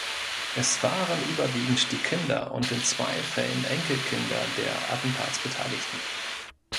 Es waren überwiegend die Kinder und in zwei Fällen Enkelkinder der Attentatsbeteiligten.